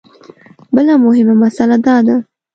بله مهمه مسله دا ده.